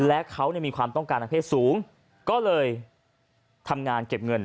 และเขามีความต้องการทางเพศสูงก็เลยทำงานเก็บเงิน